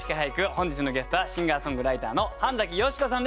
本日のゲストはシンガーソングライターの半美子さんです。